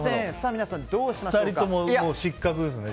皆さん、どうしましょうか。